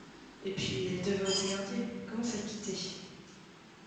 Et puis, elle devait aux Thénardier! comment s’acquitter?